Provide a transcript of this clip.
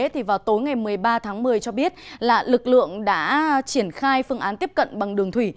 thì vào tối ngày một mươi ba tháng một mươi cho biết là lực lượng đã triển khai phương án tiếp cận bằng đường thủy